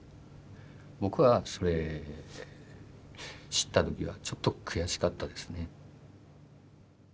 僕はそれ知った時はちょっと悔しかったですね。